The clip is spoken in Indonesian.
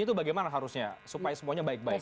itu bagaimana harusnya supaya semuanya baik baik